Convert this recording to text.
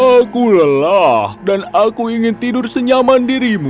aku lelah dan aku ingin tidur senyaman dirimu